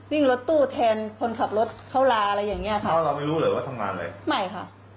วิ่งรถตู้แทนคนขับรถเข้าลาอะไรอย่างเงี้ยค่ะเพราะเราไม่รู้เลยว่าทำงานอะไรไม่ค่ะ